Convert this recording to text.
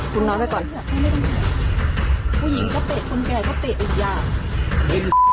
ผู้หญิงก็เตะคนแก่ก็เตะอีกอย่าง